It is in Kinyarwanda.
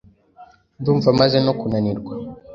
ndumva maze no kunanirwa